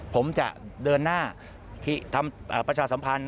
ผมจะเดินหน้าทำประชาสัมพันธ์